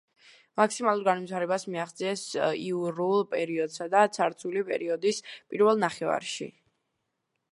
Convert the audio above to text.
მაქსიმალურ განვითარებას მიაღწიეს იურულ პერიოდსა და ცარცული პერიოდის პირველ ნახევარში.